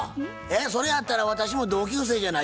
それやったら私も同級生じゃないですか。